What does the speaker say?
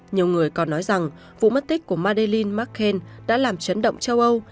nhiều người còn nói rằng vụ mất tích của madelin mccain đã làm chấn động châu âu